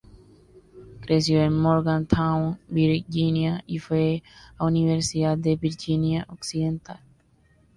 Creció en Morgantown, Virginia y fue a Universidad de Virginia Occidental.